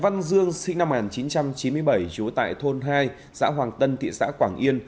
văn dương sinh năm một nghìn chín trăm chín mươi bảy trú tại thôn hai xã hoàng tân thị xã quảng yên